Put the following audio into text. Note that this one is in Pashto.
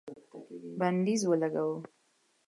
بندیز ولګاوه